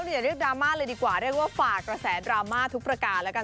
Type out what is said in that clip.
ปอบถึงจะเรียกดราม่าเลยดีกว่าเรี๋ยวว่าฝากแปกศึกภาษาดราม่าทุกประการนะครับ